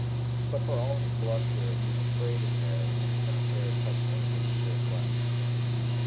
But, for all his bluster, he was afraid of Mary, and did not dare touch anything she had left.